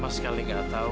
tapi ranti juga tahu